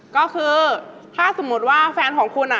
ก็คือถ้าสมมุติว่าแฟนของคุณ